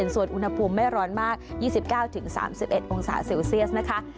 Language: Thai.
ส่วนอุณหภูมิไม่ร้อนมาก๒๙๓๑องศาเซลเซียสนะคะ